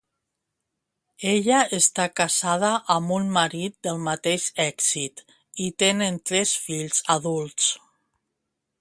Ella està casada amb un marit del mateix èxit, i tenen tres fills adults.